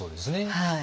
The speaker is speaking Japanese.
はい。